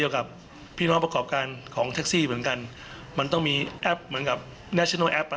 กับพี่น้องประกอบการของแท็กซี่เหมือนกันมันต้องมีแอปเหมือนกับแนชโนแอปอ่ะ